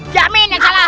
jamin yang salah